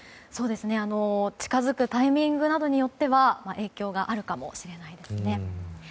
近づくタイミングなどによっては影響があるかもしれないですね。